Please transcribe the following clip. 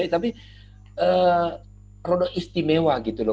tapi roda istimewa gitu loh